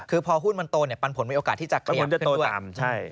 คือพอหุ้นมันโตปันผลมีโอกาสที่จะเคลียบปันผลจะโตตามใช่